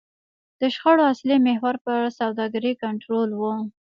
د شخړو اصلي محور پر سوداګرۍ کنټرول و.